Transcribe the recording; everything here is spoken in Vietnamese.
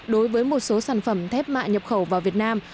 đối với một số sản phẩm thép mạ nhập khẩu vào việt nam